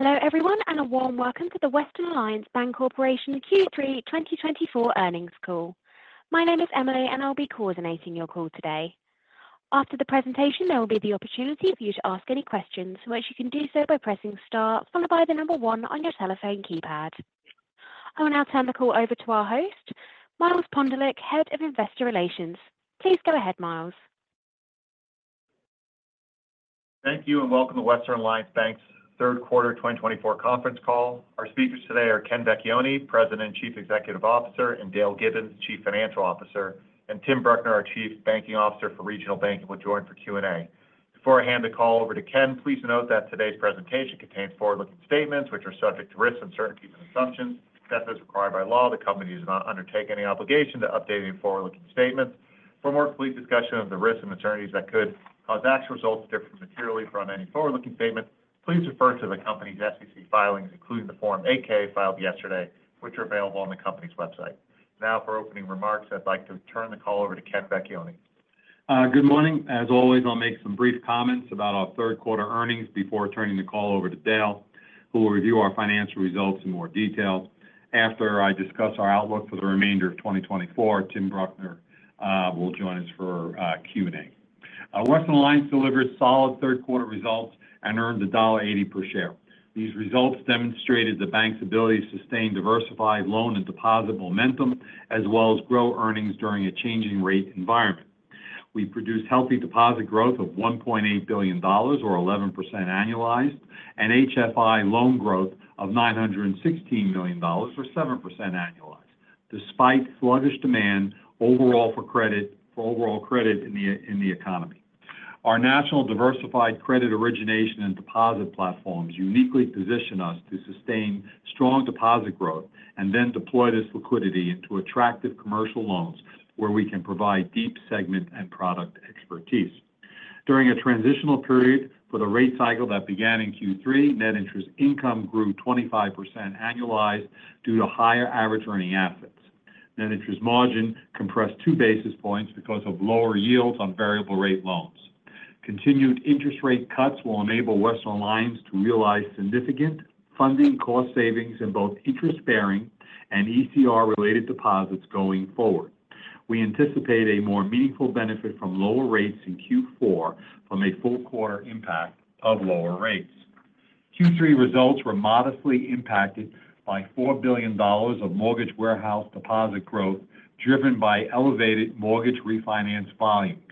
Hello, everyone, and a warm welcome to the Western Alliance Bancorporation Q3 2024 earnings call. My name is Emily, and I'll be coordinating your call today. After the presentation, there will be the opportunity for you to ask any questions, which you can do so by pressing star followed by the number one on your telephone keypad. I will now turn the call over to our host, Miles Pondelicek, Head of Investor Relations. Please go ahead, Miles. Thank you, and welcome to Western Alliance Bank's third quarter 2024 conference call. Our speakers today are Ken Vecchione, President and Chief Executive Officer, and Dale Gibbons, Chief Financial Officer. Tim Bruckner, our Chief Banking Officer for Regional Bank, will join for Q&A. Before I hand the call over to Ken, please note that today's presentation contains forward-looking statements which are subject to risks and uncertainties and assumptions. Except as required by law, the company does not undertake any obligation to update any forward-looking statements. For a more complete discussion of the risks and uncertainties that could cause actual results to differ materially from any forward-looking statement, please refer to the company's SEC filings, including the Form 8-K filed yesterday, which are available on the company's website. Now, for opening remarks, I'd like to turn the call over to Ken Vecchione. Good morning. As always, I'll make some brief comments about our third quarter earnings before turning the call over to Dale, who will review our financial results in more detail. After I discuss our outlook for the remainder of 2024, Tim Bruckner will join us for Q&A. Western Alliance delivered solid third quarter results and earned $1.80 per share. These results demonstrated the bank's ability to sustain diversified loan and deposit momentum, as well as grow earnings during a changing rate environment. We produced healthy deposit growth of $1.8 billion, or 11% annualized, and HFI loan growth of $916 million for 7% annualized, despite sluggish demand overall for credit in the economy. Our national diversified credit origination and deposit platforms uniquely position us to sustain strong deposit growth and then deploy this liquidity into attractive commercial loans where we can provide deep segment and product expertise. During a transitional period for the rate cycle that began in Q3, net interest income grew 25% annualized due to higher average earning assets. Net interest margin compressed 2 basis points because of lower yields on variable rate loans. Continued interest rate cuts will enable Western Alliance to realize significant funding cost savings in both interest-bearing and ECR-related deposits going forward. We anticipate a more meaningful benefit from lower rates in Q4 from a full quarter impact of lower rates. Q3 results were modestly impacted by $4 billion of mortgage warehouse deposit growth, driven by elevated mortgage refinance volumes,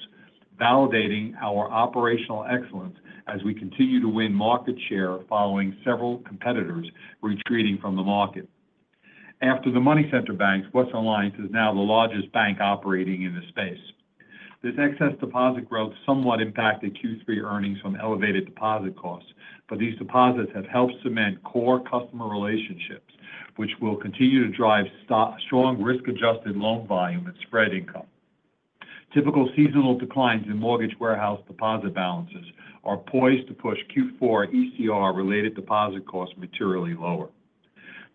validating our operational excellence as we continue to win market share following several competitors retreating from the market. After the money center banks, Western Alliance is now the largest bank operating in this space. This excess deposit growth somewhat impacted Q3 earnings from elevated deposit costs, but these deposits have helped cement core customer relationships, which will continue to drive strong risk-adjusted loan volume and spread income. Typical seasonal declines in mortgage warehouse deposit balances are poised to push Q4 ECR-related deposit costs materially lower.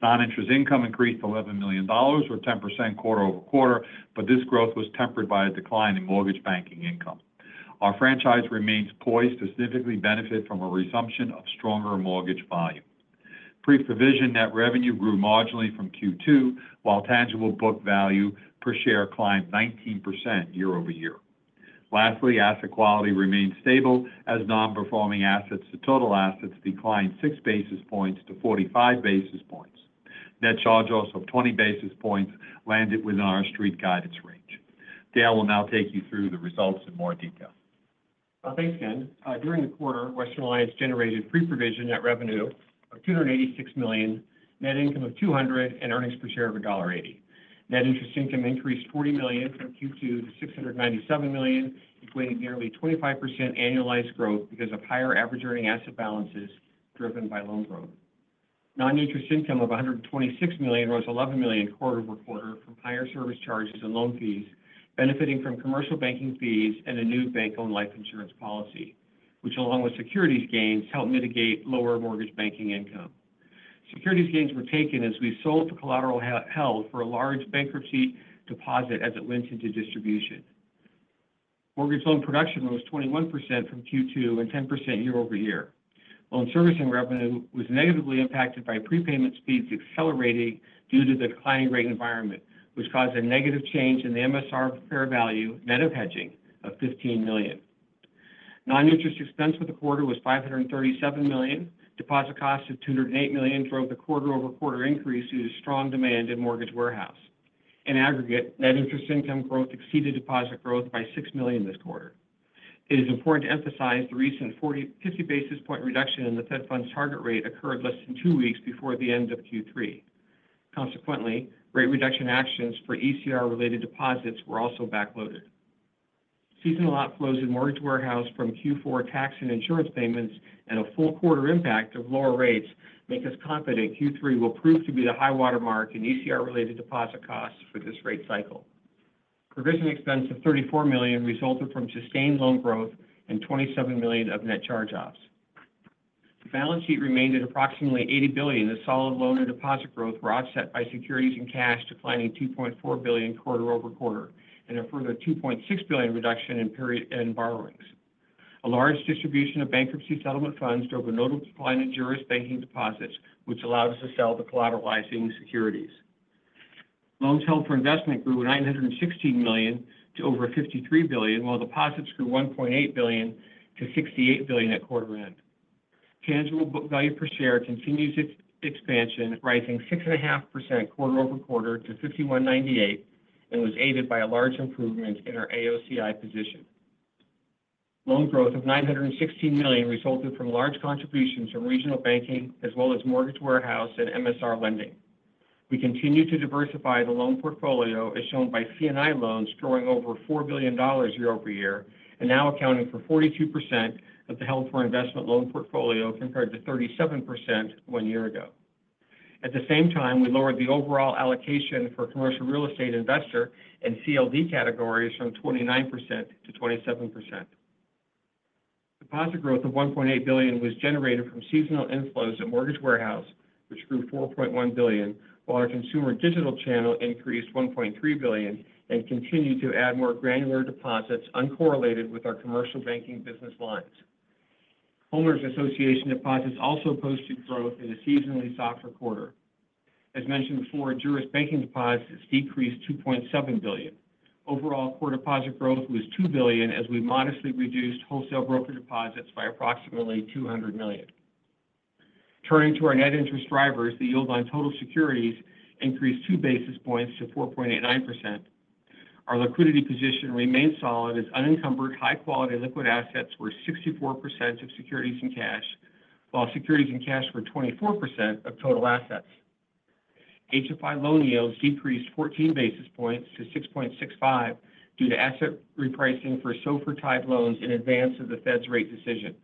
Non-interest income increased $11 million or 10% quarter-over-quarter, but this growth was tempered by a decline in mortgage banking income. Our franchise remains poised to significantly benefit from a resumption of stronger mortgage volume. Pre-provision net revenue grew marginally from Q2, while tangible book value per share climbed 19% year-over-year. Lastly, asset quality remained stable as non-performing assets to total assets declined 6 basis points to 45 basis points. Net charge-offs of 20 basis points landed within our street guidance range. Dale will now take you through the results in more detail. Thanks, Ken. During the quarter, Western Alliance generated pre-provision net revenue of $286 million, net income of $200 million, and earnings per share of $1.80. Net interest income increased $40 million from Q2 to $697 million, equating nearly 25% annualized growth because of higher average earning asset balances driven by loan growth. Non-interest income of $126 million rose $11 million quarter-over-quarter from higher service charges and loan fees, benefiting from commercial banking fees and a new bank-owned life insurance policy, which, along with securities gains, helped mitigate lower mortgage banking income. Securities gains were taken as we sold collateral held for a large bankruptcy deposit as it went into distribution. Mortgage loan production rose 21% from Q2 and 10% year-over-year. Loan servicing revenue was negatively impacted by prepayment speeds accelerating due to the declining rate environment, which caused a negative change in the MSR fair value net of hedging of $15 million. Non-interest expense for the quarter was $537 million. Deposit costs of $208 million drove the quarter-over-quarter increase due to strong demand in Mortgage Warehouse. In aggregate, net interest income growth exceeded deposit growth by $6 million this quarter. It is important to emphasize the recent 40-50 basis point reduction in the Fed Funds target rate occurred less than two weeks before the end of Q3. Consequently, rate reduction actions for ECR-related deposits were also backloaded. Seasonal outflows in Mortgage Warehouse from Q4 tax and insurance payments and a full quarter impact of lower rates make us confident Q3 will prove to be the high water mark in ECR-related deposit costs for this rate cycle. Provision expense of $34 million resulted from sustained loan growth and $27 million of net charge-offs. The balance sheet remained at approximately $80 billion as solid loan and deposit growth were offset by securities and cash, declining $2.4 billion quarter-over-quarter, and a further $2.6 billion reduction in fed funds and borrowings. A large distribution of bankruptcy settlement funds drove a notable decline in Juris Banking deposits, which allowed us to sell the collateralizing securities. Loans held for investment grew $916 million to over $53 billion, while deposits grew $1.8 billion to $68 billion at quarter end. Tangible book value per share continues its expansion, rising 6.5% quarter-over-quarter to $51.98, and was aided by a large improvement in our AOCI position. Loan growth of $916 million resulted from large contributions from regional banking as well as Mortgage Warehouse and MSR lending. We continue to diversify the loan portfolio, as shown by C&I loans growing over $4 billion year-over-year, and now accounting for 42% of the held for investment loan portfolio, compared to 37% one year ago. At the same time, we lowered the overall allocation for commercial real estate investor and CLD categories from 29% to 27%. Deposit growth of $1.8 billion was generated from seasonal inflows at Mortgage Warehouse, which grew $4.1 billion, while our Consumer Digital Channel increased $1.3 billion and continued to add more granular deposits uncorrelated with our commercial banking business lines. Owners association deposits also posted growth in a seasonally softer quarter. As mentioned before, Juris Banking deposits decreased $2.7 billion. Overall, core deposit growth was $2 billion, as we modestly reduced wholesale broker deposits by approximately $200 million. Turning to our net interest drivers, the yield on total securities increased 2 basis points to 4.89%. Our liquidity position remains solid, as unencumbered, high-quality liquid assets were 64% of securities and cash, while securities and cash were 24% of total assets. HFI loan yields decreased 14 basis points to 6.65% due to asset repricing for SOFR-tied loans in advance of the Fed's rate decision.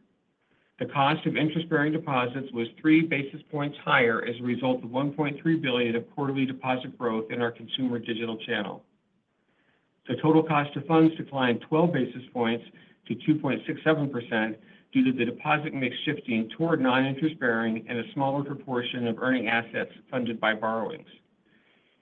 The cost of interest-bearing deposits was three basis points higher as a result of $1.3 billion of quarterly deposit growth in our Consumer Digital Channel. The total cost of funds declined 12 basis points to 2.67% due to the deposit mix shifting toward non-interest bearing and a smaller proportion of earning assets funded by borrowings.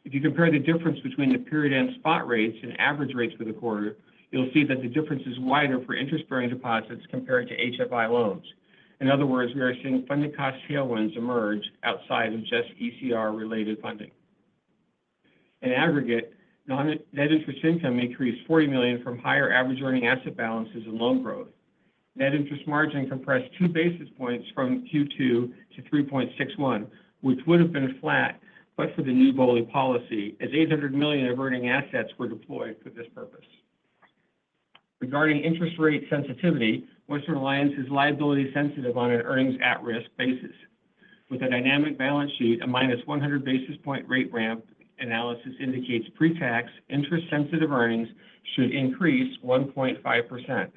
If you compare the difference between the period end spot rates and average rates for the quarter, you'll see that the difference is wider for interest-bearing deposits compared to HFI loans. In other words, we are seeing funding cost tailwinds emerge outside of just ECR-related funding. In aggregate, non-net interest income increased $40 million from higher average earning asset balances and loan growth. Net interest margin compressed 2 basis points from Q2 to 3.61, which would have been flat, but for the new BOLI policy, as $800 million of earning assets were deployed for this purpose. Regarding interest rate sensitivity, Western Alliance is liability sensitive on an earnings at-risk basis. With a dynamic balance sheet, a -100 basis point rate ramp analysis indicates pre-tax interest-sensitive earnings should increase 1.5%.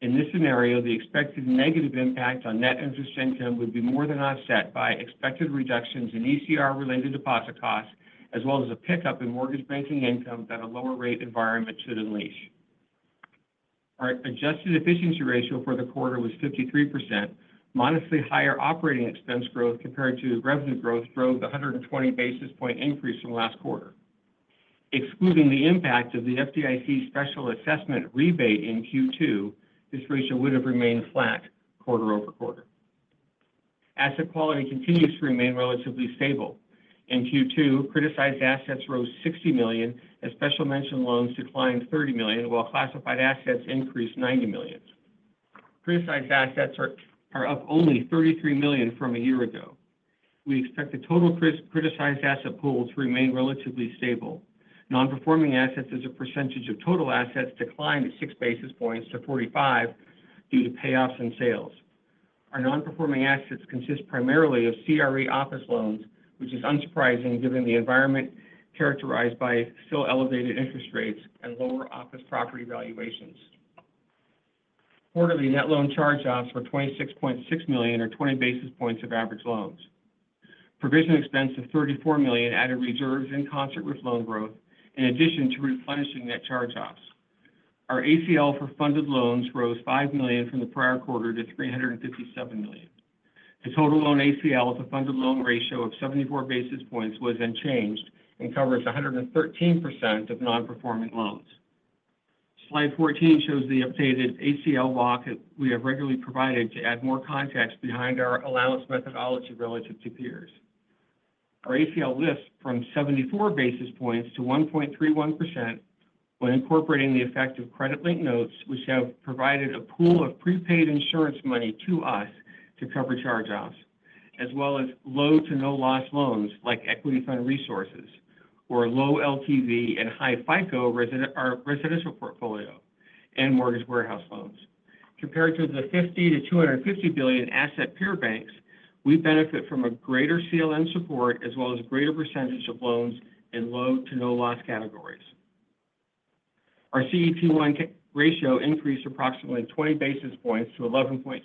In this scenario, the expected negative impact on net interest income would be more than offset by expected reductions in ECR-related deposit costs, as well as a pickup in mortgage banking income that a lower rate environment should unleash. Our adjusted efficiency ratio for the quarter was 53%. Modestly higher operating expense growth compared to revenue growth drove the 120 basis point increase from last quarter. Excluding the impact of the FDIC special assessment rebate in Q2, this ratio would have remained flat quarter over quarter. Asset quality continues to remain relatively stable. In Q2, criticized assets rose $60 million, as special mention loans declined $30 million, while classified assets increased $90 million. Criticized assets are up only $33 million from a year ago. We expect the total criticized asset pool to remain relatively stable. Non-performing assets as a percentage of total assets declined 6 basis points to 45 due to payoffs and sales. Our non-performing assets consist primarily of CRE office loans, which is unsurprising given the environment characterized by still elevated interest rates and lower office property valuations. Quarterly net loan charge-offs were $26.6 million, or 20 basis points of average loans. Provision expense of $34 million added reserves in concert with loan growth, in addition to replenishing net charge-offs. Our ACL for funded loans rose $5 million from the prior quarter to $357 million. The total loan ACL to funded loan ratio of 74 basis points was unchanged and covers 113% of non-performing loans. Slide 14 shows the updated ACL walk we have regularly provided to add more context behind our allowance methodology relative to peers. Our ACL lifts from 74 basis points to 1.31% when incorporating the effect of credit linked notes, which have provided a pool of prepaid insurance money to us to cover charge-offs, as well as low- to no-loss loans like Equity Fund Resources or low LTV and high FICO residential our residential portfolio and Mortgage Warehouse loans. Compared to the $50 billion-$250 billion asset peer banks, we benefit from a greater CLN support, as well as a greater percentage of loans in low to no loss categories. Our CET1 ratio increased approximately 20 basis points to 11.2%.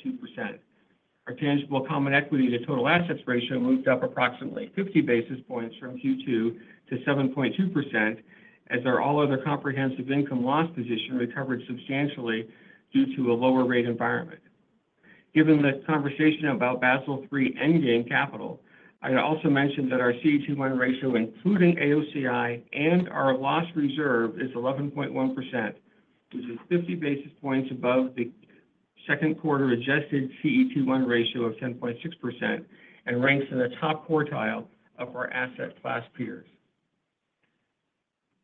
Our tangible common equity to total assets ratio moved up approximately 50 basis points from Q2 to 7.2%, as our all other comprehensive income loss position recovered substantially due to a lower rate environment. Given the conversation about Basel III endgame capital, I'd also mention that our CET1 ratio, including AOCI and our loss reserve, is 11.1%, which is 50 basis points above the second quarter adjusted CET1 ratio of 10.6% and ranks in the top quartile of our asset class peers.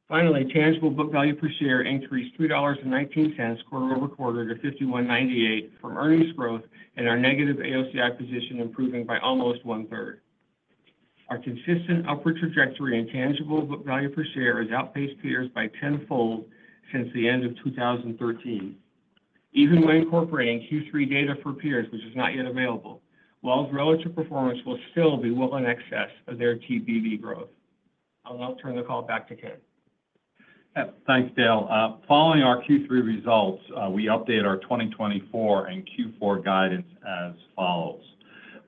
Finally, tangible book value per share increased $3.19 quarter-over-quarter to $51.98 from earnings growth and our negative AOCI accretion improving by almost one-third. Our consistent upward trajectory in tangible book value per share has outpaced peers by tenfold since the end of 2013. Even when incorporating Q3 data for peers, which is not yet available, our relative performance will still be well in excess of their TBV growth. I'll now turn the call back to Ken. Thanks, Dale. Following our Q3 results, we update our 2024 and Q4 guidance as follows: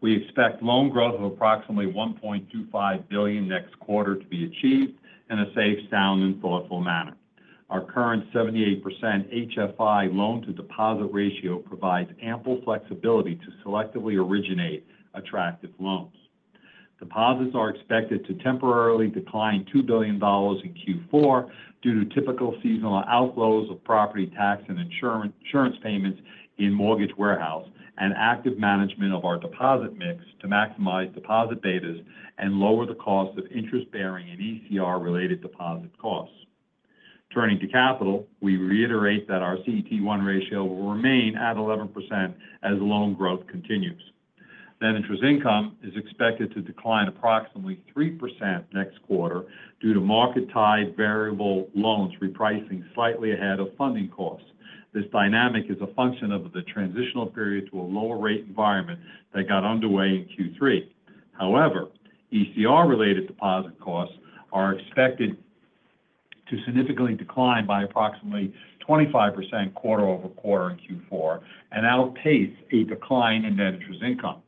We expect loan growth of approximately $1.25 billion next quarter to be achieved in a safe, sound, and thoughtful manner. Our current 78% HFI loan to deposit ratio provides ample flexibility to selectively originate attractive loans. Deposits are expected to temporarily decline $2 billion in Q4 due to typical seasonal outflows of property tax and insurance payments in mortgage warehouse, and active management of our deposit mix to maximize deposit betas and lower the cost of interest bearing and ECR-related deposit costs. Turning to capital, we reiterate that our CET1 ratio will remain at 11% as loan growth continues. Net interest income is expected to decline approximately 3% next quarter due to market tied variable loans repricing slightly ahead of funding costs. This dynamic is a function of the transitional period to a lower rate environment that got underway in Q3. However, ECR-related deposit costs are expected to significantly decline by approximately 25% quarter-over-quarter in Q4 and outpace a decline in net interest income.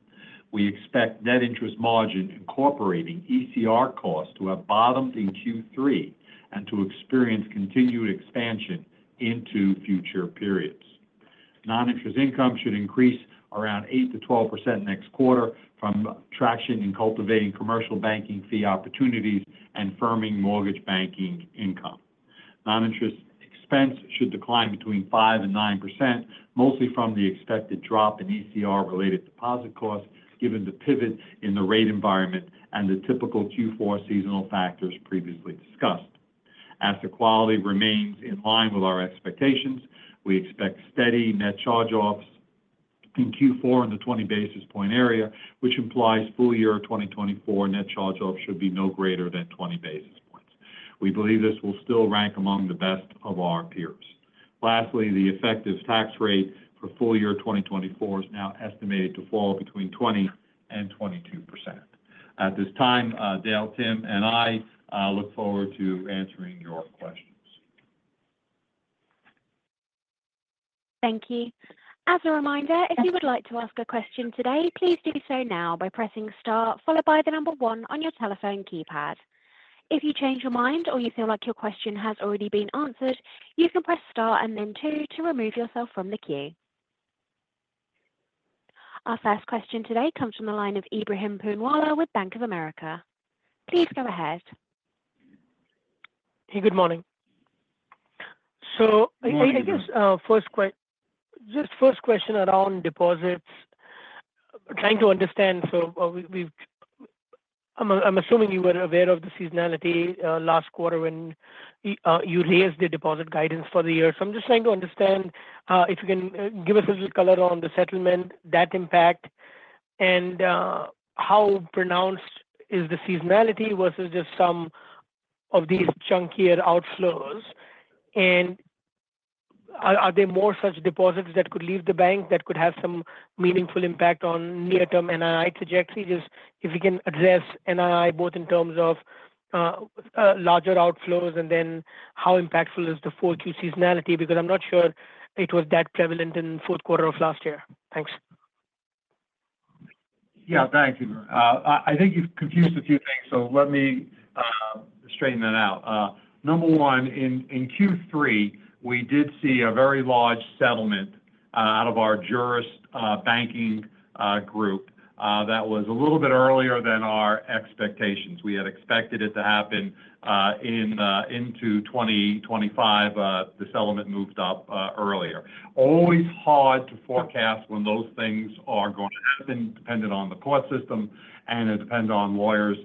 We expect net interest margin incorporating ECR costs to have bottomed in Q3 and to experience continued expansion into future periods. Non-interest income should increase around 8%-12% next quarter from traction in cultivating commercial banking fee opportunities and firming mortgage banking income. Non-interest expense should decline between 5% and 9%, mostly from the expected drop in ECR-related deposit costs, given the pivot in the rate environment and the typical Q4 seasonal factors previously discussed. Asset quality remains in line with our expectations. We expect steady net charge-offs in Q4 in the 20 basis point area, which implies full year 2024 net charge-offs should be no greater than 20 basis points. We believe this will still rank among the best of our peers. Lastly, the effective tax rate for full year 2024 is now estimated to fall between 20% and 22%. At this time, Dale, Tim, and I look forward to answering your questions. Thank you. As a reminder, if you would like to ask a question today, please do so now by pressing star followed by the number one on your telephone keypad. If you change your mind or you feel like your question has already been answered, you can press star and then two to remove yourself from the queue. Our first question today comes from the line of Ebrahim Poonawala with Bank of America. Please go ahead. Hey, good morning, so I guess, first question around deposits. Trying to understand, so we've—I'm assuming you were aware of the seasonality last quarter when you raised the deposit guidance for the year. So I'm just trying to understand, if you can give us a little color on the settlement, that impact, and, how pronounced is the seasonality versus just some of these chunkier outflows? And are there more such deposits that could leave the bank that could have some meaningful impact on near-term NII trajectory? Just if you can address NII both in terms of larger outflows, and then how impactful is the full Q seasonality? Because I'm not sure it was that prevalent in the fourth quarter of last year. Thanks. Yeah, thank you. I think you've confused a few things, so let me straighten that out. Number one, in Q3, we did see a very large settlement out of our Juris Banking group that was a little bit earlier than our expectations. We had expected it to happen in 2025. The settlement moved up earlier. Always hard to forecast when those things are going to happen, dependent on the court system, and it depends on lawyers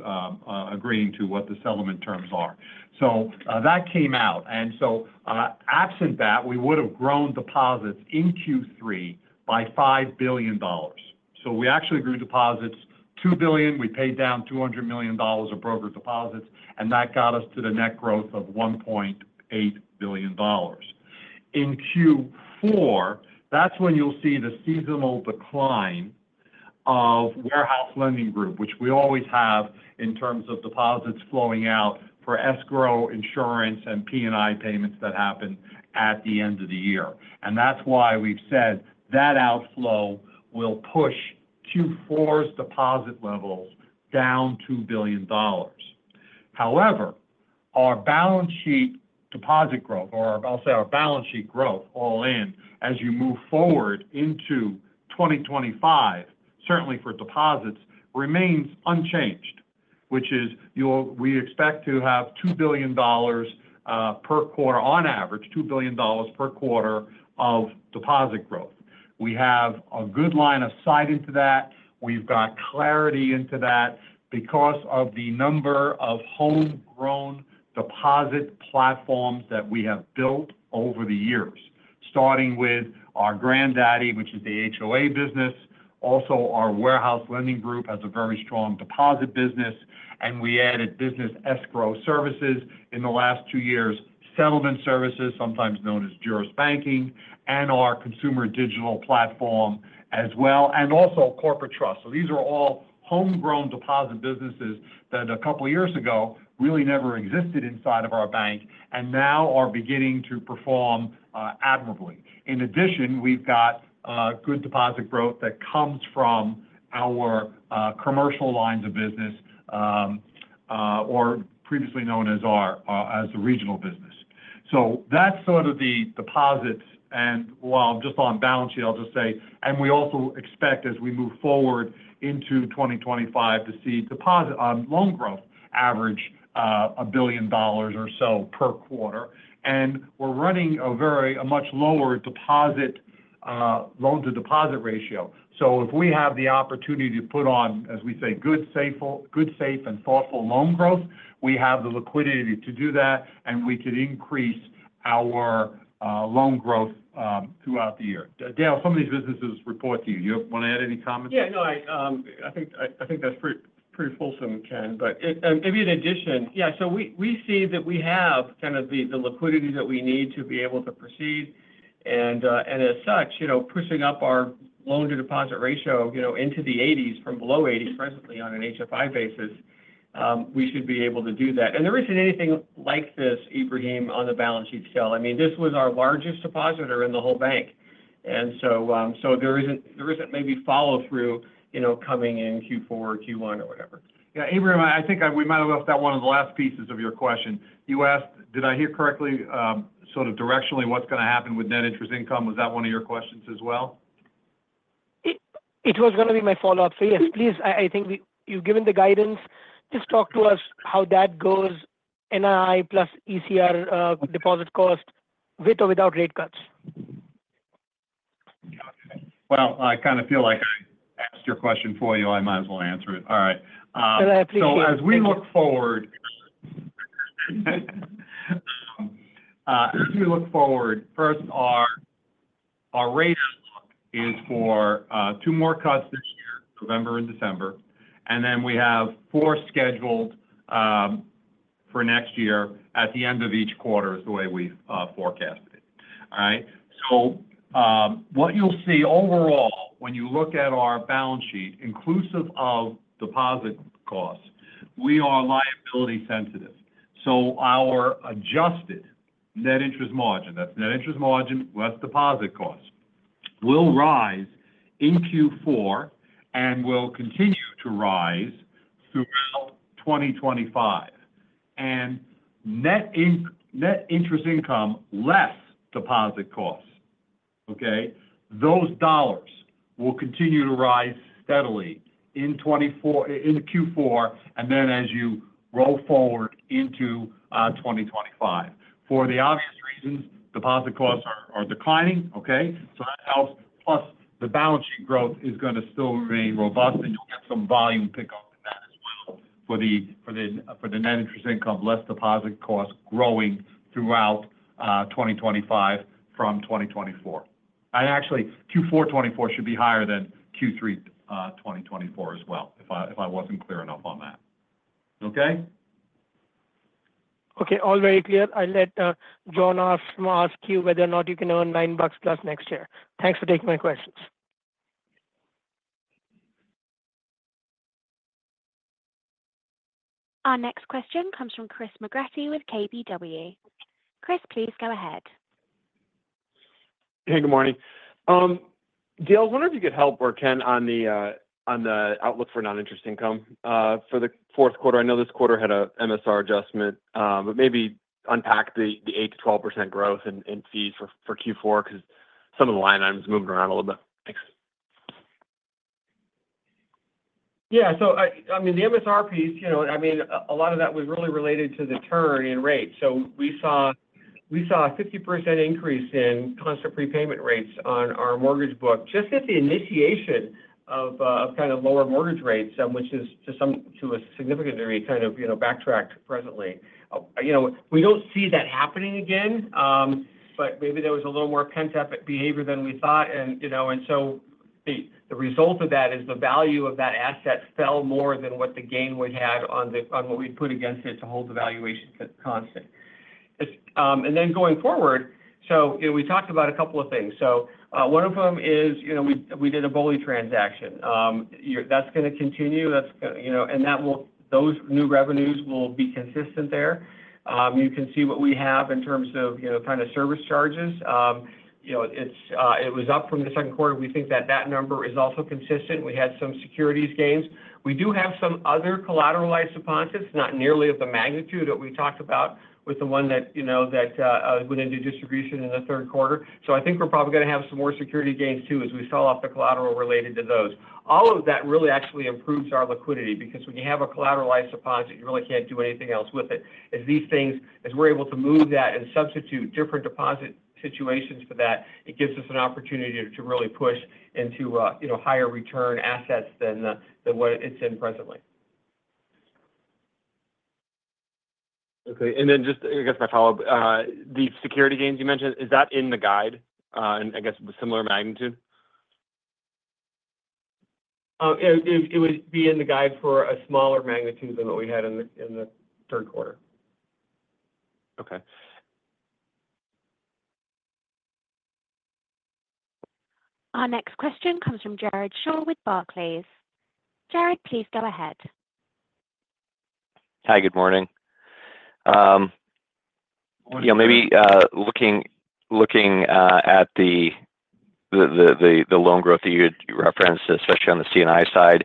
agreeing to what the settlement terms are. So that came out. And so absent that, we would have grown deposits in Q3 by $5 billion. So we actually grew deposits $2 billion. We paid down $200 million of broker deposits, and that got us to the net growth of $1.8 billion. In Q4, that's when you'll see the seasonal decline of Warehouse Lending group, which we always have in terms of deposits flowing out for escrow, insurance, and P&I payments that happen at the end of the year. And that's why we've said that outflow will push Q4's deposit levels down $2 billion. However, our balance sheet deposit growth, or I'll say our balance sheet growth all in as you move forward into 2025, certainly for deposits, remains unchanged which is we expect to have $2 billion per quarter, on average, $2 billion per quarter of deposit growth. We have a good line of sight into that. We've got clarity into that because of the number of homegrown deposit platforms that we have built over the years, starting with our granddaddy, which is the HOA business. Also, our warehouse lending group has a very strong deposit business, and we added Business Escrow Services in the last two years, Settlement Services, sometimes known as Juris Banking, and our consumer digital platform as well, and also Corporate Trust. So these are all homegrown deposit businesses that a couple of years ago really never existed inside of our bank and now are beginning to perform admirably. In addition, we've got good deposit growth that comes from our commercial lines of business, or previously known as our as the regional business. So that's sort of the deposits. Just on balance sheet, I'll just say, and we also expect as we move forward into 2025 to see deposit on loan growth average $1 billion or so per quarter. And we're running a very much lower deposit loan-to-deposit ratio. So if we have the opportunity to put on, as we say, good, safe, and thoughtful loan growth, we have the liquidity to do that, and we could increase our loan growth throughout the year. Dale, some of these businesses report to you. You want to add any comments? Yeah, no, I think that's pretty fulsome, Ken, but maybe in addition. Yeah, so we see that we have the liquidity that we need to be able to proceed, and as such, you know, pushing up our loan-to-deposit ratio, you know, into the eighties from below eighty presently on an HFI basis, we should be able to do that. And there isn't anything like this, Ibrahim, on the balance sheet sale. I mean, this was our largest depositor in the whole bank, and so there isn't maybe follow-through, you know, coming in Q4, Q1 or whatever. Yeah, Ebrahim, I think we might have left out one of the last pieces of your question. You asked, did I hear correctly, sort of directionally, what's going to happen with net interest income? Was that one of your questions as well? It was going to be my follow-up. So yes, please, I think we've given the guidance. Just talk to us how that goes, NII plus ECR, deposit cost, with or without rate cuts. I kind of feel like I asked your question for you. I might as well answer it. All right, And I appreciate it. So as we look forward, first, our rate look is for two more cuts this year, November and December, and then we have four scheduled for next year at the end of each quarter is the way we've forecasted it. All right? So what you'll see overall when you look at our balance sheet, inclusive of deposit costs, we are liability sensitive. So our adjusted net interest margin, that's net interest margin less deposit costs, will rise in Q4 and will continue to rise throughout 2025. And net interest income, less deposit costs, okay? Those dollars will continue to rise steadily in 2024 in the Q4, and then as you roll forward into 2025. For the obvious reasons, deposit costs are declining, okay? So that helps, plus the balance sheet growth is going to still remain robust, and you'll get some volume pickup in that as well for the net interest income, less deposit costs growing throughout 2025 from 2024. And actually, Q4 2024 should be higher than Q3 twenty 2024 as well, if I wasn't clear enough on that. Okay? Okay. All very clear. I'll let Jon ask you whether or not you can earn $9 plus next year. Thanks for taking my questions. Our next question comes from Chris McGratty with KBW. Chris, please go ahead. Hey, good morning. Dale, I was wondering if you could help or Ken, on the outlook for non-interest income for the fourth quarter. I know this quarter had a MSR adjustment, but maybe unpack the 8%-12% growth in fees for Q4, because some of the line items moved around a little bit. Thanks. Yeah. So I mean, the MSR piece, you know, I mean, a lot of that was really related to the turn in rates. So we saw a 50% increase in constant prepayment rates on our mortgage book, just at the initiation of kind of lower mortgage rates, which is to a significant degree, kind of, you know, backtracked presently. You know, we don't see that happening again, but maybe there was a little more pent-up behavior than we thought. And, you know, so the result of that is the value of that asset fell more than what the gain we had on what we'd put against it to hold the valuation constant. And then going forward, you know, we talked about a couple of things. So, one of them is, you know, we did a BOLI transaction. That's going to continue, that's, you know, and that will, those new revenues will be consistent there. You can see what we have in terms of, you know, kind of service charges. You know, it's, it was up from the second quarter. We think that number is also consistent. We had some securities gains. We do have some other collateralized deposits, not nearly of the magnitude that we talked about with the one that, you know, that went into distribution in the third quarter. So I think we're probably going to have some more security gains, too, as we sell off the collateral related to those. All of that really actually improves our liquidity, because when you have a collateralized deposit, you really can't do anything else with it. As these things, as we're able to move that and substitute different deposit situations for that, it gives us an opportunity to really push into, you know, higher return assets than the, than what it's in presently. Okay, and then just, I guess my follow-up, the securities gains you mentioned, is that in the guide, and I guess the similar magnitude? It would be in the guide for a smaller magnitude than what we had in the third quarter. Okay. Our next question comes from Jared Shaw with Barclays. Jared, please go ahead. Hi, good morning. Yeah, maybe looking at the loan growth that you referenced, especially on the C&I side,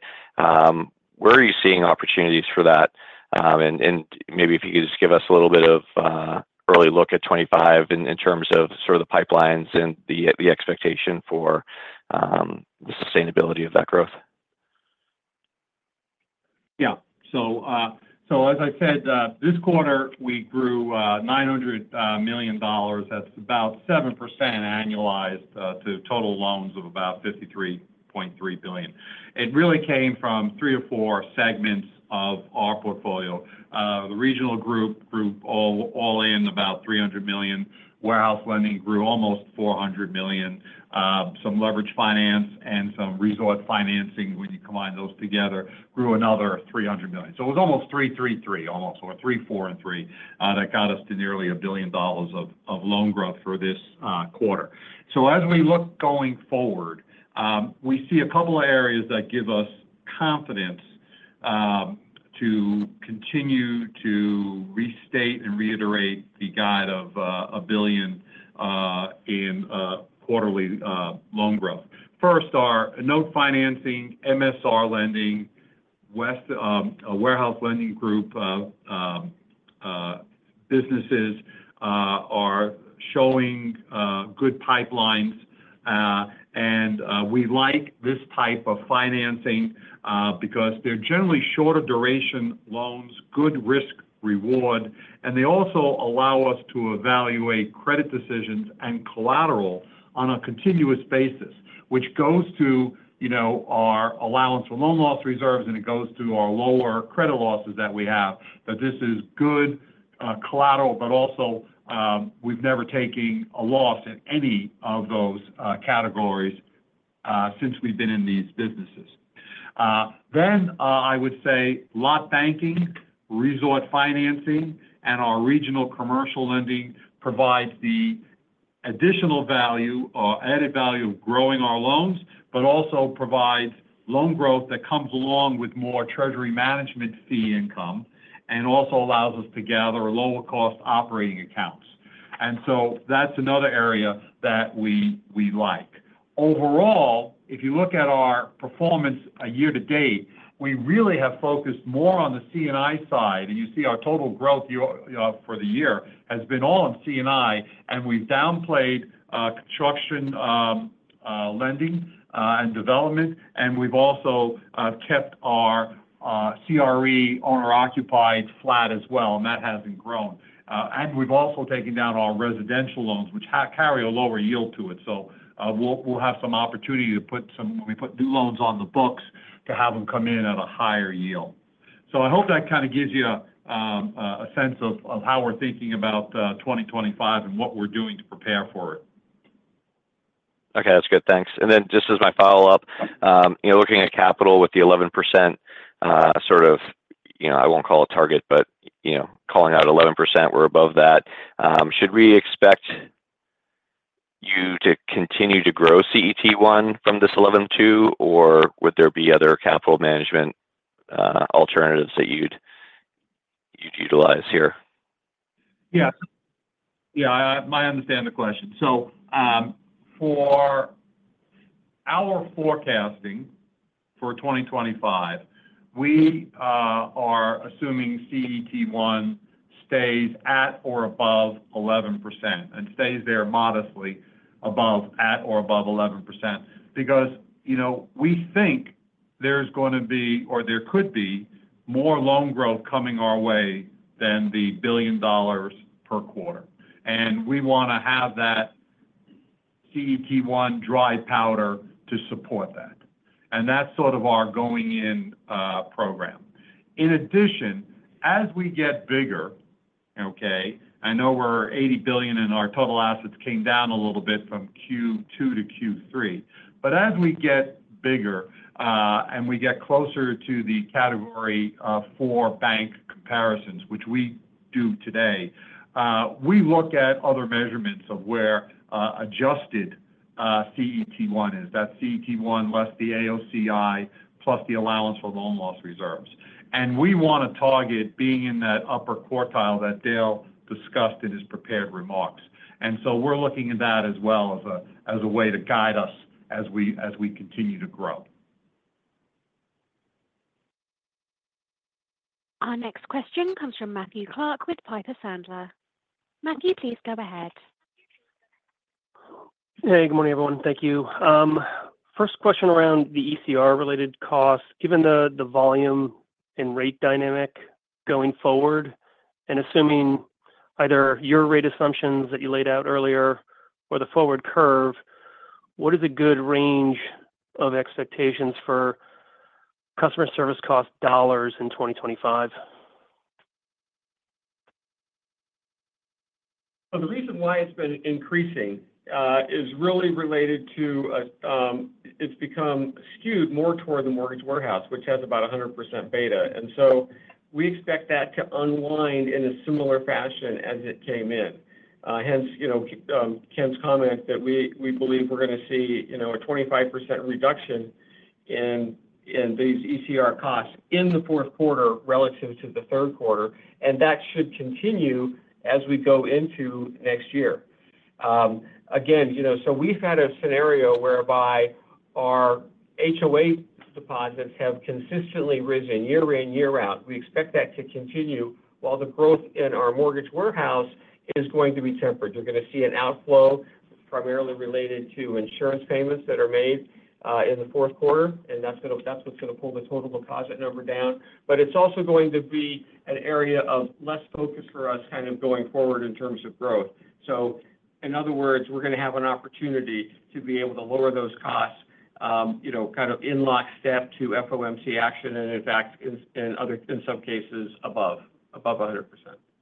where are you seeing opportunities for that? And maybe if you could just give us a little bit of early look at 2025 in terms of sort of the pipelines and the expectation for the sustainability of that growth. Yeah. So, so as I said, this quarter, we grew $900 million. That's about 7% annualized to total loans of about $53.3 billion. It really came from three or four segments of our portfolio. The regional group grew all in about $300 million. Warehouse lending grew almost $400 million. Some leverage finance and some resort financing, when you combine those together, grew another $300 million. So it was almost three, or three, four, and three, that got us to nearly a billion dollars of loan growth for this quarter. So as we look going forward, we see a couple of areas that give us confidence to continue to restate and reiterate the guide of $1 billion in quarterly loan growth. First, our note financing, MSR lending. Our warehouse lending group businesses are showing good pipelines. And we like this type of financing because they're generally shorter duration loans, good risk reward, and they also allow us to evaluate credit decisions and collateral on a continuous basis, which goes to, you know, our allowance for loan loss reserves, and it goes to our lower credit losses that we have. That this is good collateral, but also, we've never taken a loss in any of those categories since we've been in these businesses. Then, I would say lot banking, resort financing, and our regional commercial lending provides the additional value or added value of growing our loans, but also provides loan growth that comes along with more treasury management fee income, and also allows us to gather lower cost operating accounts. And so that's another area that we like. Overall, if you look at our performance year to date, we really have focused more on the C&I side, and you see our total growth for the year has been all on C&I, and we've downplayed construction lending and development, and we've also kept our CRE owner-occupied flat as well, and that hasn't grown. And we've also taken down our residential loans, which carry a lower yield to it. So, we'll have some opportunity to put some, when we put new loans on the books, to have them come in at a higher yield. So I hope that kind of gives you a sense of how we're thinking about 2025 and what we're doing to prepare for it. Okay, that's good. Thanks. And then just as my follow-up, you know, looking at capital with the 11%, sort of, you know, I won't call it target, but, you know, calling out 11%, we're above that. Should we expect you to continue to grow CET1 from this 11.2, or would there be other capital management alternatives that you'd utilize here? Yeah. Yeah, I understand the question. So, for our forecasting for 2025, we are assuming CET1 stays at or above 11% and stays there modestly above 11%. Because, you know, we think there's going to be or there could be more loan growth coming our way than $1 billion per quarter. And we want to have that CET1 dry powder to support that. And that's sort of our going-in program. In addition, as we get bigger, okay, I know we're $80 billion, and our total assets came down a little bit from Q2 to Q3. But as we get bigger, and we get closer to the category four bank comparisons, which we do today, we look at other measurements of where adjusted CET1 is. That's CET1 less the AOCI, plus the allowance for loan loss reserves. And we want to target being in that upper quartile that Dale discussed in his prepared remarks. And so we're looking at that as well as a way to guide us as we continue to grow. Our next question comes from Matthew Clark with Piper Sandler. Matthew, please go ahead. Hey, good morning, everyone. Thank you. First question around the ECR-related cost. Given the volume and rate dynamic going forward, and assuming either your rate assumptions that you laid out earlier or the forward curve, what is a good range of expectations for customer service cost dollars in 2025? The reason why it's been increasing is really related to it's become skewed more toward the Mortgage Warehouse, which has about 100% beta. So we expect that to unwind in a similar fashion as it came in. Hence, you know, Ken's comment that we believe we're going to see, you know, a 25% reduction in these ECR costs in the fourth quarter relative to the third quarter, and that should continue as we go into next year. Again, you know, we've had a scenario whereby our HOA deposits have consistently risen year in, year out. We expect that to continue, while the growth in our Mortgage Warehouse is going to be tempered. You're going to see an outflow primarily related to insurance payments that are made in the fourth quarter, and that's what's going to pull the total deposit number down, but it's also going to be an area of less focus for us kind of going forward in terms of growth, so in other words, we're going to have an opportunity to be able to lower those costs, you know, kind of in lockstep to FOMC action and in fact, in some cases, above 100%.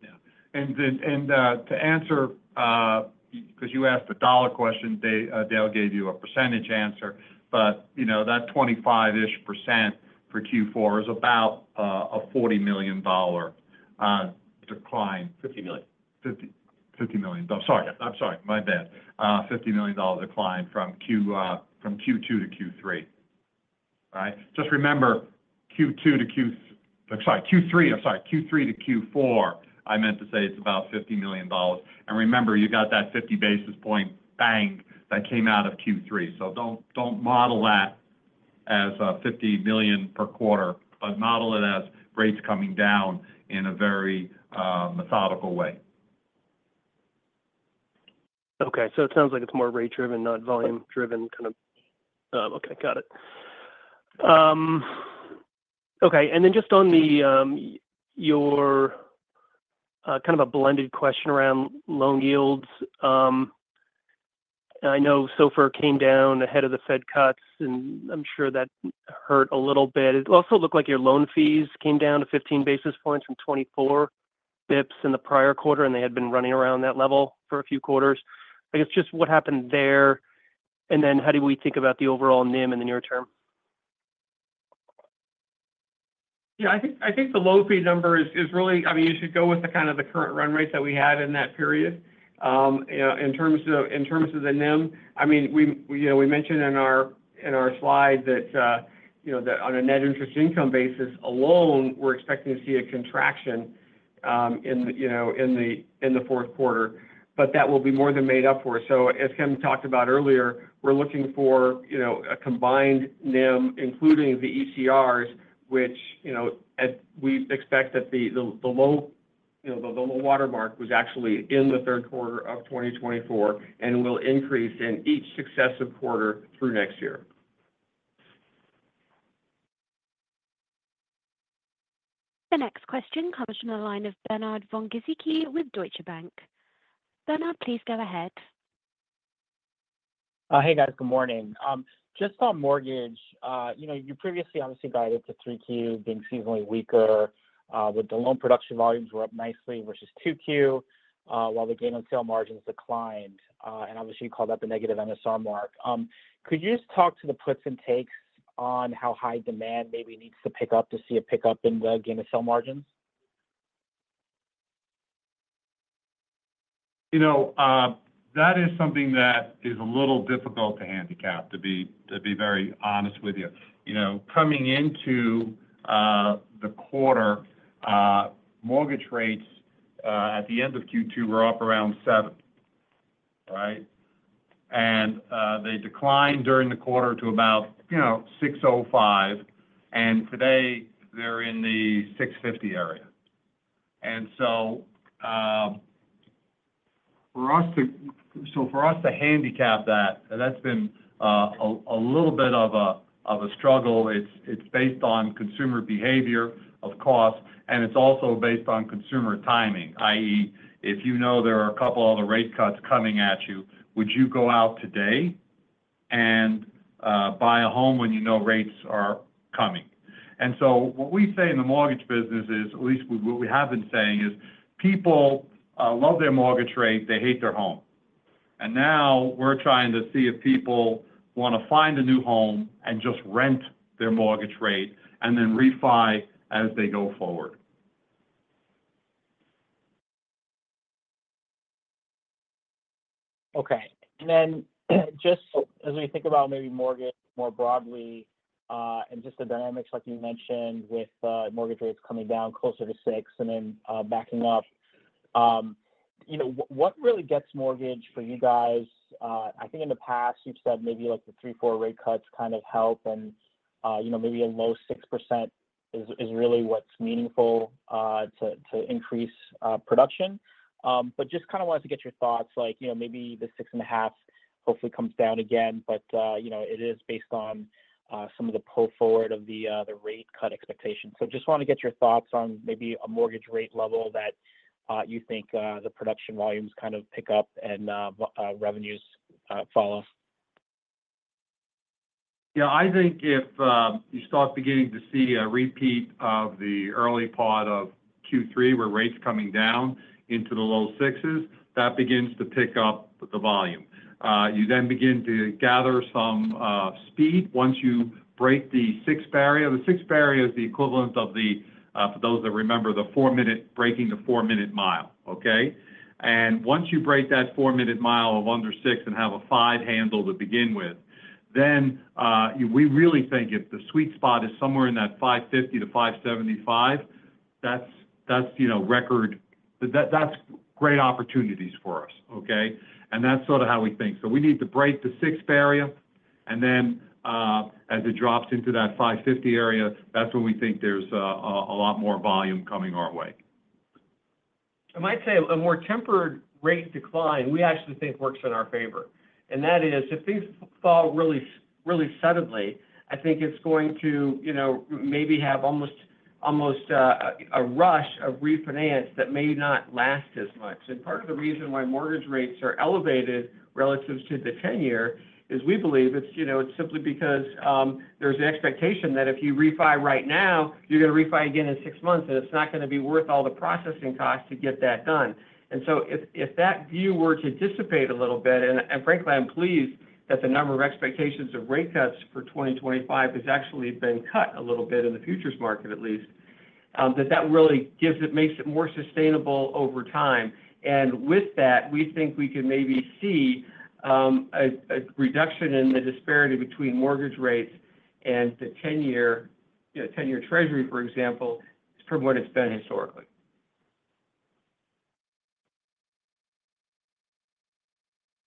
Yeah. And then, to answer, because you asked a dollar question, they, Dale gave you a percentage answer, but, you know, that 25%-ish for Q4 is about a $40 million decline. $50 million. $50 million. I'm sorry. My bad. $50 million dollar decline from Q2 to Q3. All right? Just remember, Q2 to Q3. Sorry, Q3. I'm sorry, Q3 to Q4, I meant to say. It's about $50 million dollars. And remember, you got that 50 basis point bang that came out of Q3. So don't model that as $50 million per quarter, but model it as rates coming down in a very methodical way. Okay, so it sounds like it's more rate-driven, not volume-driven kind of, and then just on your kind of a blended question around loan yields. I know SOFR came down ahead of the Fed cuts, and I'm sure that hurt a little bit. It also looked like your loan fees came down to 15 basis points from 24 basis points in the prior quarter, and they had been running around that level for a few quarters. I guess, just what happened there, and then how do we think about the overall NIM in the near term? Yeah, I think the low fee number is really. I mean, you should go with the kind of the current run rates that we had in that period. You know, in terms of the NIM, I mean, we you know, we mentioned in our in our slide that you know, that on a net interest income basis alone, we're expecting to see a contraction in the fourth quarter, but that will be more than made up for. So as Ken talked about earlier, we're looking for a combined NIM, including the ECRs, which you know, as we expect that the low watermark was actually in the third quarter of 2024 and will increase in each successive quarter through next year. The next question comes from the line of Bernard von Gizycki with Deutsche Bank. Bernard, please go ahead. Hey, guys. Good morning. Just on mortgage, you know, you previously obviously guided to 3Q being seasonally weaker, with the loan production volumes were up nicely versus 2Q, while the gain on sale margins declined, and obviously you called out the negative MSR mark. Could you just talk to the puts and takes on how high demand maybe needs to pick up to see a pickup in the gain on sale margins? You know, that is something that is a little difficult to handicap, to be very honest with you. You know, coming into the quarter, mortgage rates at the end of Q2 were up around seven, right? And they declined during the quarter to about, you know, 6.05, and today they're in the 6.50 area. And so, for us to handicap that, that's been a little bit of a struggle. It's based on consumer behavior of cost, and it's also based on consumer timing, i.e., if you know there are a couple other rate cuts coming at you, would you go out today and buy a home when you know rates are coming? And so what we say in the mortgage business is, at least what we have been saying, is people love their mortgage rate, they hate their home. And now we're trying to see if people want to find a new home and just rent their mortgage rate and then refi as they go forward. Okay. And then, just as we think about maybe mortgage more broadly, and just the dynamics like you mentioned with, mortgage rates coming down closer to six and then, backing up. You know, what really gets mortgage for you guys? I think in the past you've said maybe like the three, four rate cuts kind of help and, you know, maybe a low 6% is really what's meaningful, to increase, production. But just kind of wanted to get your thoughts like, you know, maybe the 6.5 hopefully comes down again, but, you know, it is based on, some of the pull forward of the, the rate cut expectations. Just want to get your thoughts on maybe a mortgage rate level that you think the production volumes kind of pick up and revenues follow? Yeah, I think if you start beginning to see a repeat of the early part of Q3, where rates coming down into the low sixes, that begins to pick up the volume. You then begin to gather some speed once you break the six barrier. The six barrier is the equivalent of the, for those that remember, the four-minute-- breaking the four-minute mile, okay? And once you break that four-minute mile of under six and have a five handle to begin with, then, we really think if the sweet spot is somewhere in that 550 to 575, that's, that's, you know, record. That, that's great opportunities for us, okay? And that's sort of how we think. So we need to break the six barrier, and then, as it drops into that 550 area, that's when we think there's a lot more volume coming our way. I might say a more tempered rate decline, we actually think works in our favor. And that is, if things fall really, really suddenly, I think it's going to, you know, maybe have almost a rush of refinance that may not last as much. And part of the reason why mortgage rates are elevated relative to the 10-year is we believe it's, you know, it's simply because there's an expectation that if you refi right now, you're going to refi again in six months, and it's not going to be worth all the processing costs to get that done. And so if that view were to dissipate a little bit, and frankly, I'm pleased that the number of expectations of rate cuts for 2025 has actually been cut a little bit in the futures market, at least. That really makes it more sustainable over time, and with that, we think we can maybe see a reduction in the disparity between mortgage rates and the 10-year, you know, 10-year Treasury, for example, from what it's been historically.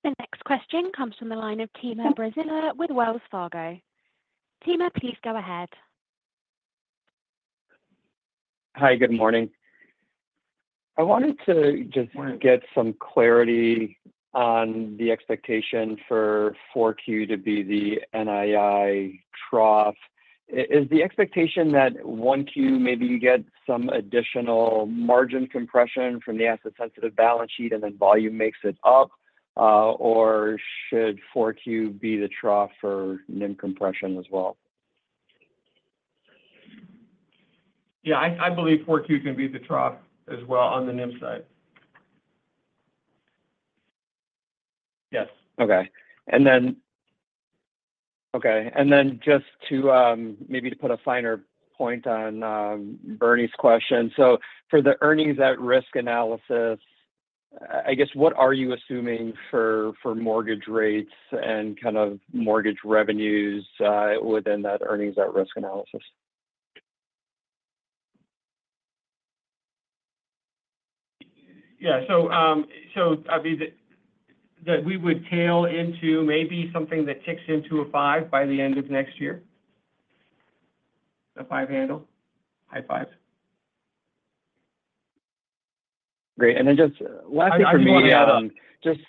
The next question comes from the line of Timur Braziler with Wells Fargo. Timur, please go ahead. Hi, good morning. I wanted to just get some clarity on the expectation for 4Q to be the NII trough. Is the expectation that 1Q, maybe you get some additional margin compression from the asset-sensitive balance sheet, and then volume makes it up, or should 4Q be the trough for NIM compression as well? Yeah, I believe 4Q is going to be the trough as well on the NIM side. Yes.Okay, and then just to maybe to put a finer point on Bernie's question. So for the earnings at risk analysis, I guess, what are you assuming for mortgage rates and kind of mortgage revenues within that earnings at risk analysis? Yeah, so, I mean, that we would tail into maybe something that ticks into a five by the end of next year. A five handle, high five. Great. And then just last thing for me. I just want to add up. Just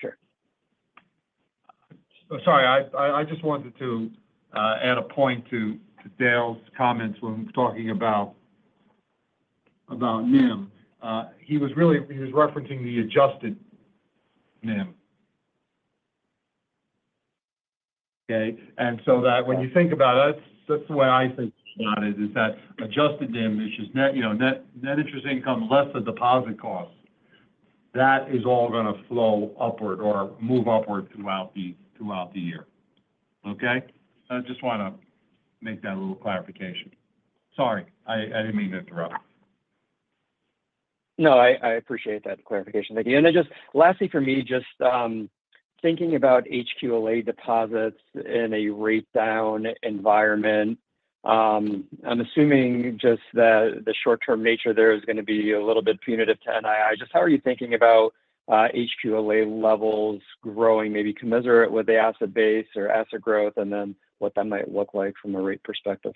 Sure. Sorry, I just wanted to add a point to Dale's comments when talking about NIM. He was referencing the adjusted NIM. Okay? And so that when you think about it, that's the way I think about it, is that adjusted NIM, which is net, you know, net interest income less the deposit cost. That is all going to flow upward or move upward throughout the year. Okay? I just want to make that a little clarification. Sorry, I didn't mean to interrupt. No, I appreciate that clarification. Thank you. And then just lastly, for me, just thinking about HQLA deposits in a rate down environment, I'm assuming just that the short-term nature there is going to be a little bit punitive to NII. Just how are you thinking about HQLA levels growing, maybe commensurate with the asset base or asset growth, and then what that might look like from a rate perspective?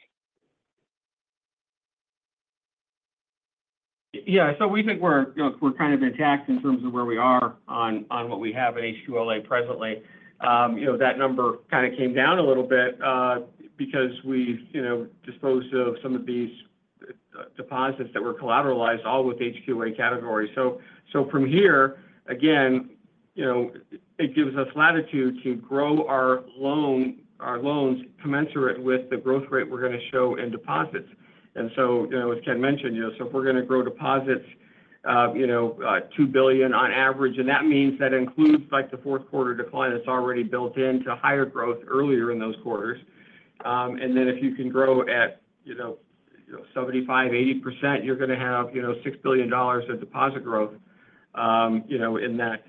Yeah, so we think we're, you know, we're kind of intact in terms of where we are on what we have in HQLA presently. You know, that number kind of came down a little bit, because we've, you know, disposed of some of these deposits that were collateralized, all with HQLA category. So from here, again, you know, it gives us latitude to grow our loan, our loans, commensurate with the growth rate we're going to show in deposits. And so, you know, as Ken mentioned, you know, so if we're going to grow deposits, you know, 2 billion on average, and that means that includes, like, the fourth quarter decline that's already built into higher growth earlier in those quarters. And then if you can grow at, you know, 75%-80%, you're going to have, you know, $6 billion of deposit growth, you know, in that,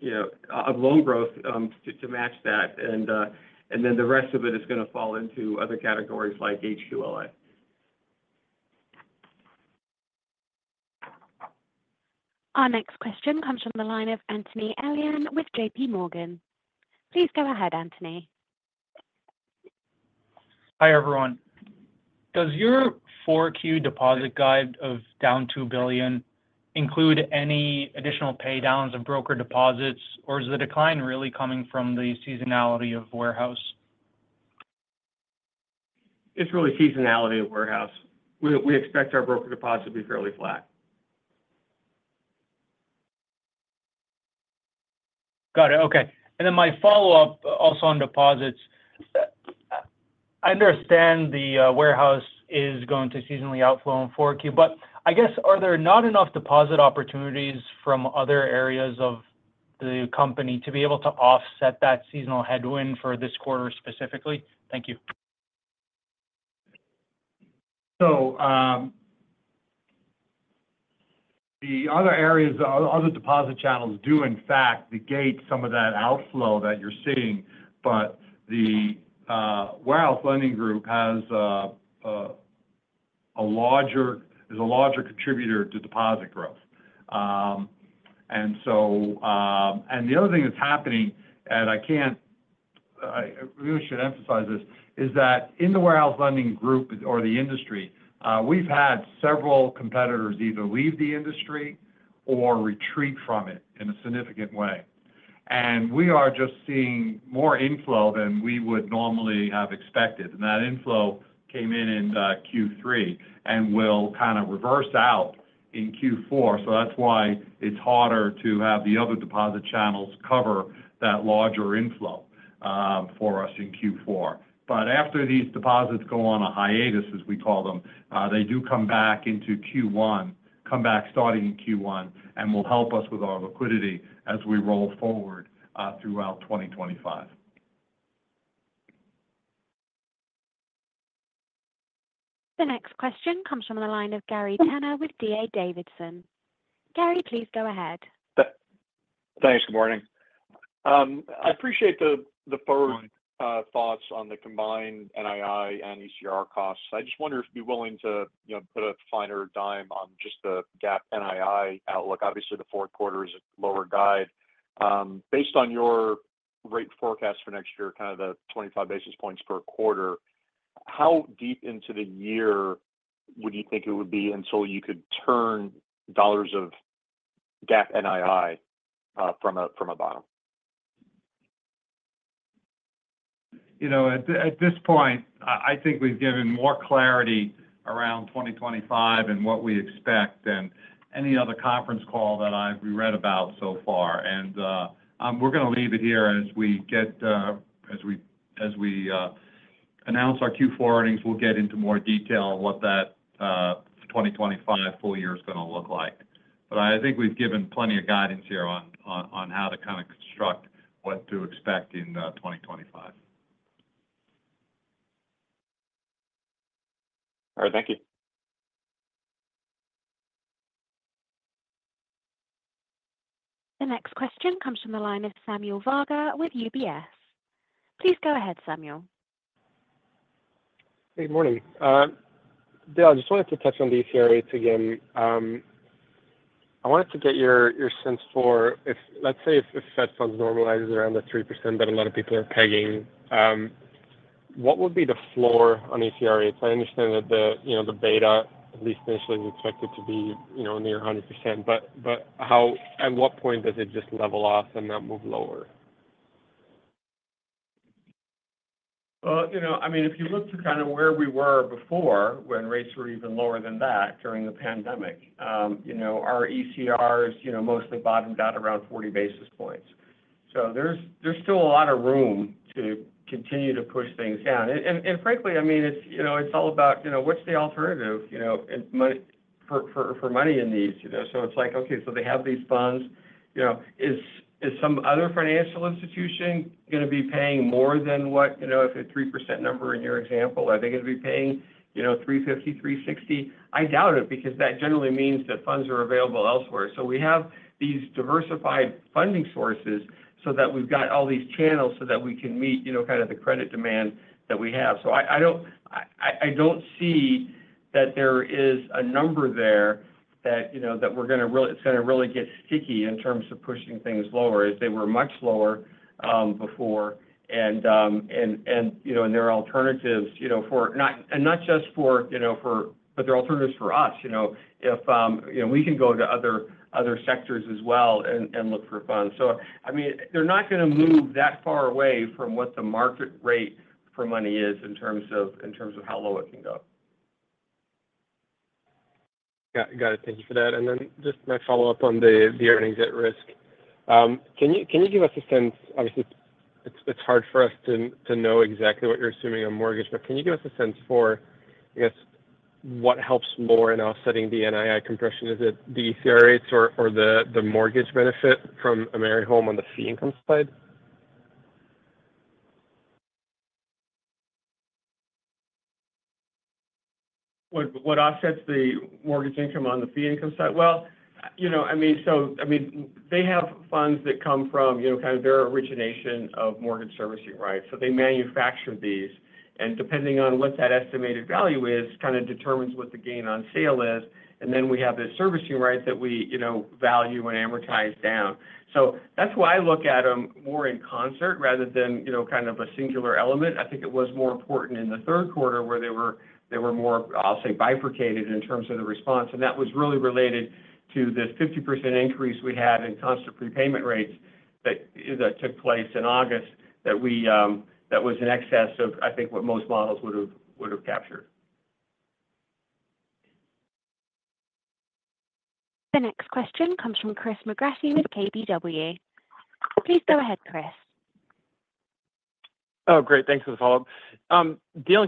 you know, of loan growth, to match that. And then the rest of it is going to fall into other categories like HQLA. Our next question comes from the line of Anthony Elian with JPMorgan. Please go ahead, Anthony. Hi, everyone. Does your 4Q deposit guide of down $2 billion include any additional pay downs of broker deposits, or is the decline really coming from the seasonality of warehouse? It's really seasonality of warehouse. We expect our broker deposits to be fairly flat. Got it. Okay, and then my follow-up also on deposits. I understand the warehouse is going to seasonally outflow in 4Q, but I guess, are there not enough deposit opportunities from other areas of the company to be able to offset that seasonal headwind for this quarter specifically? Thank you. So, the other areas, the other deposit channels do in fact negate some of that outflow that you're seeing, but the warehouse lending group is a larger contributor to deposit growth. And so, the other thing that's happening, and I really should emphasize this, is that in the warehouse lending group or the industry, we've had several competitors either leave the industry or retreat from it in a significant way. And we are just seeing more inflow than we would normally have expected. And that inflow came in Q3 and will kind of reverse out in Q4. So that's why it's harder to have the other deposit channels cover that larger inflow for us in Q4. But after these deposits go on a hiatus, as we call them, they do come back starting in Q1, and will help us with our liquidity as we roll forward, throughout 2025. The next question comes from the line of Gary Tenner with D.A. Davidson. Gary, please go ahead. Thanks. Good morning. I appreciate the forward thoughts on the combined NII and ECR costs. I just wonder if you'd be willing to, you know, put a finer point on just the GAAP NII outlook. Obviously, the fourth quarter is a lower guide. Based on your rate forecast for next year, kind of the 25 basis points per quarter, how deep into the year would you think it would be until you could turn dollars of GAAP NII from a bottom? You know, at this point, I think we've given more clarity around 2025 and what we expect than any other conference call that I've read about so far. And we're going to leave it here. As we announce our Q4 earnings, we'll get into more detail on what that 2025 full year is going to look like. But I think we've given plenty of guidance here on how to kind of construct what to expect in 2025. All right. Thank you. The next question comes from the line of Samuel Varga with UBS. Please go ahead, Samuel. Good morning. Dale, I just wanted to touch on the ECR rates again. I wanted to get your sense for if- let's say if Fed funds normalizes around the 3% that a lot of people are pegging, what would be the floor on ECR rates? I understand that the, you know, the beta, at least initially, is expected to be, you know, near 100%, but how- at what point does it just level off and not move lower? You know, I mean, if you look to kind of where we were before, when rates were even lower than that during the pandemic, you know, our ECRs, you know, mostly bottomed out around 40 basis points. So there's still a lot of room to continue to push things down. And frankly, I mean, it's, you know, it's all about, you know, what's the alternative, you know, and money for money in these, you know? So it's like, okay, so they have these funds, you know, is some other financial institution going to be paying more than what, you know, if a 3% number in your example, are they going to be paying, you know, 3.50, 3.60? I doubt it, because that generally means that funds are available elsewhere. So we have these diversified funding sources so that we've got all these channels so that we can meet, you know, kind of the credit demand that we have. So I don't see that there is a number there that, you know, that we're going to really, it's going to really get sticky in terms of pushing things lower, as they were much lower before. And there are alternatives, you know, not just for, but there are alternatives for us, you know, if, you know, we can go to other sectors as well and look for funds. So I mean, they're not going to move that far away from what the market rate for money is in terms of how low it can go. Got it. Thank you for that. And then just my follow-up on the earnings at risk. Can you give us a sense. Obviously, it's hard for us to know exactly what you're assuming on mortgage, but can you give us a sense for, I guess, what helps more in offsetting the NII compression? Is it the ECR rates or the mortgage benefit from AmeriHome on the fee income side? What, what offsets the mortgage income on the fee income side? Well, you know, I mean, so I mean, they have funds that come from, you know, kind of their origination of mortgage servicing rights. So they manufacture these, and depending on what that estimated value is, kind of determines what the gain on sale is, and then we have the servicing rights that we, you know, value and amortize down. So that's why I look at them more in concert rather than, you know, kind of a singular element. I think it was more important in the third quarter, where they were more, I'll say, bifurcated in terms of the response, and that was really related to this 50% increase we had in constant prepayment rates that took place in August, that was in excess of, I think, what most models would've captured. The next question comes from Chris McGratty with KBW. Please go ahead, Chris. Oh, great. Thanks for the follow-up. Dale,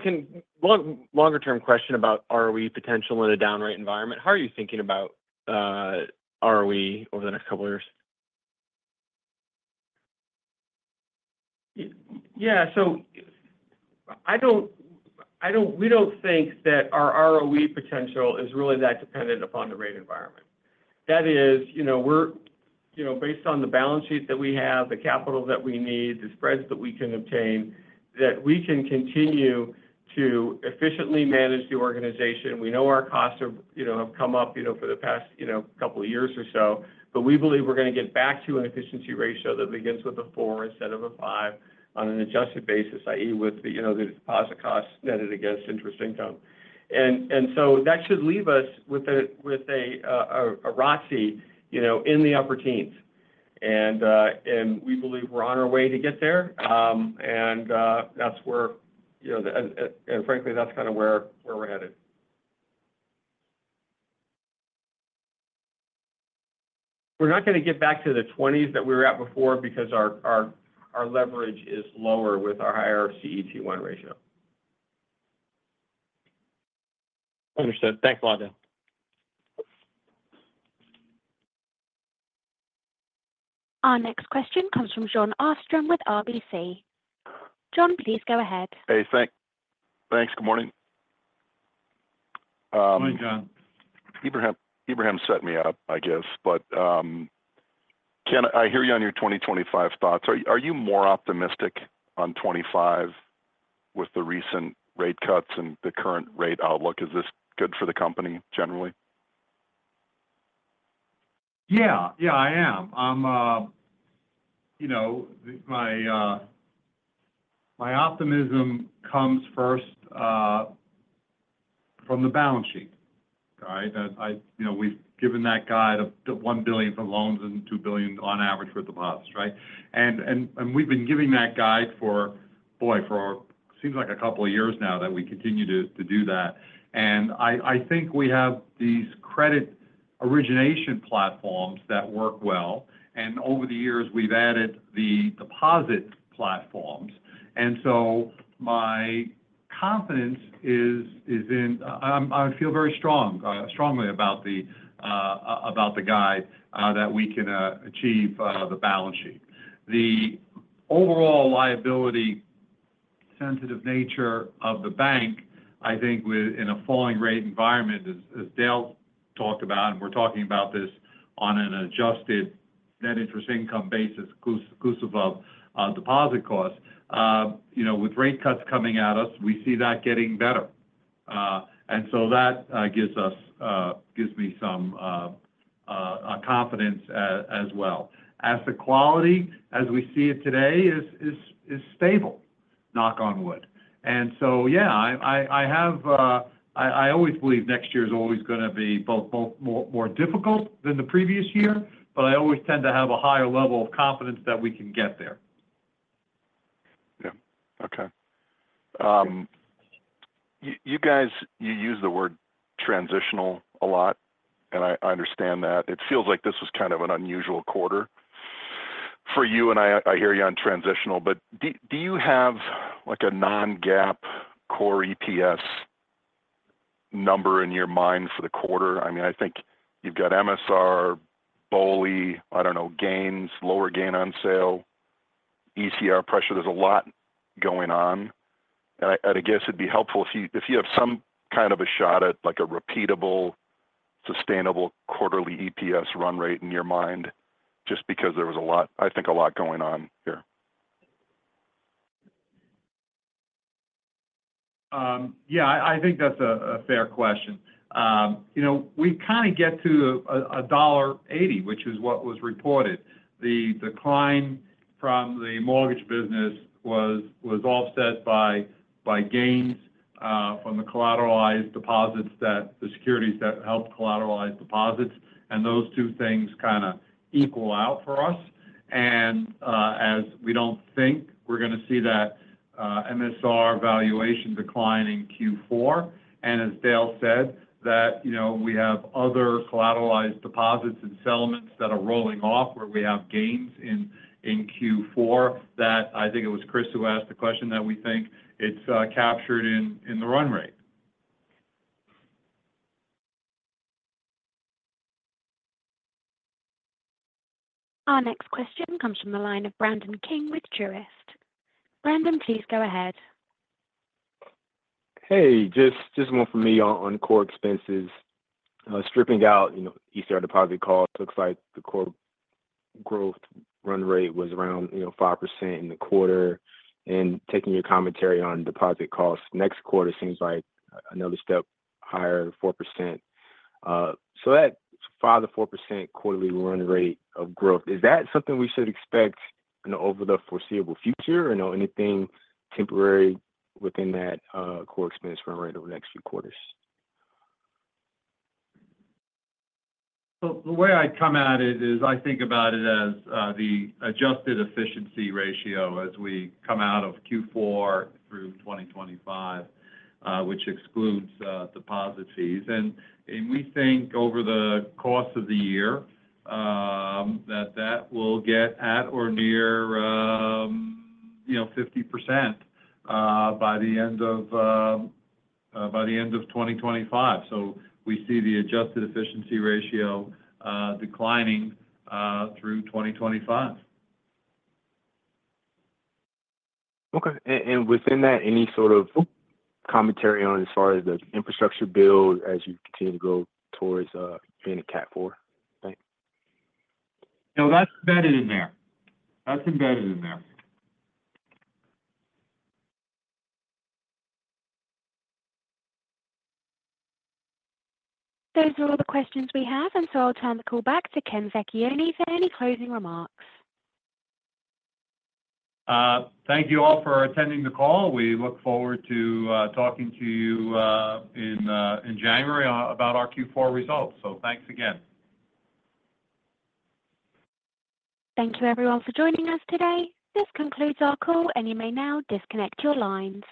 long, longer-term question about ROE potential in a down rate environment. How are you thinking about ROE over the next couple of years? Yeah, so I don't, we don't think that our ROE potential is really that dependent upon the rate environment. That is, you know, we're, you know, based on the balance sheet that we have, the capital that we need, the spreads that we can obtain, that we can continue to efficiently manage the organization. We know our costs have, you know, come up, you know, for the past, you know, couple of years or so, but we believe we're going to get back to an efficiency ratio that begins with a four instead of a five on an adjusted basis, i.e., with the, you know, deposit costs netted against interest income. And so that should leave us with a ROTCE, you know, in the upper teens. And we believe we're on our way to get there. That's where, you know, and frankly, that's kind of where we're headed. We're not going to get back to the twenties that we were at before because our leverage is lower with our higher CET1 ratio. Understood. Thanks a lot, Dale. Our next question comes from Jon Arfstrom with RBC. Jon, please go ahead. Hey, thanks. Good morning. Good morning, John. Ebrahim, Ebrahim set me up, I guess, but, Ken, I hear you on your 2025 thoughts. Are you more optimistic on 2025 with the recent rate cuts and the current rate outlook? Is this good for the company, generally? Yeah. Yeah, I am. I'm you know my optimism comes first from the balance sheet. All right? And I you know we've given that guide of $1 billion for loans and $2 billion on average for deposits right? And we've been giving that guide for boy it seems like a couple of years now that we continue to do that. And I think we have these credit origination platforms that work well and over the years we've added the deposit platforms. And so my confidence is in. I feel very strongly about the guide that we can achieve the balance sheet. The overall liability sensitive nature of the bank, I think within a falling rate environment, as Dale talked about, and we're talking about this on an adjusted net interest income basis, inclusive of deposit costs. You know, with rate cuts coming at us, we see that getting better, and so that gives me some confidence as well. Asset quality, as we see it today, is stable, knock on wood, and so, yeah, I always believe next year is always going to be both more difficult than the previous year, but I always tend to have a higher level of confidence that we can get there. Yeah. Okay. You guys use the word transitional a lot, and I understand that. It feels like this was kind of an unusual quarter for you, and I hear you on transitional, but do you have, like, a non-GAAP core EPS number in your mind for the quarter? I mean, I think you've got MSR, BOLI, I don't know, gains, lower gain on sale, ECR pressure. There's a lot going on. And I guess it'd be helpful if you have some kind of a shot at, like, a repeatable, sustainable quarterly EPS run rate in your mind, just because there was a lot, I think, a lot going on here. Yeah, I think that's a fair question. You know, we kind of get to $1.80, which is what was reported. The decline from the mortgage business was offset by gains from the collateralized deposits that the securities helped collateralize deposits, and those two things kind of equal out for us, and as we don't think we're going to see that MSR valuation decline in Q4, and as Dale said, you know, we have other collateralized deposits and settlements that are rolling off, where we have gains in Q4, that I think it was Chris who asked the question that we think it's captured in the run rate. Our next question comes from the line of Brandon King with Truist. Brandon, please go ahead. Hey, just one for me on core expenses. Stripping out, you know, ECR deposit costs, looks like the core growth run rate was around, you know, 5% in the quarter. And taking your commentary on deposit costs next quarter seems like another step higher, 4%. So that 5% to 4% quarterly run rate of growth, is that something we should expect over the foreseeable future? Or no anything temporary within that, core expense run rate over the next few quarters? So the way I'd come at it is I think about it as the Adjusted Efficiency Ratio as we come out of Q4 through 2025, which excludes deposit fees. And we think over the course of the year that will get at or near, you know, 50% by the end of 2025. So we see the Adjusted Efficiency Ratio declining through 2025. Okay. And within that, any sort of commentary on, as far as, the infrastructure build as you continue to go towards being a category four thing? No, that's embedded in there. That's embedded in there. Those are all the questions we have, and so I'll turn the call back to Ken Vecchione for any closing remarks. Thank you all for attending the call. We look forward to talking to you in January about our Q4 results. So thanks again. Thank you, everyone, for joining us today. This concludes our call, and you may now disconnect your line.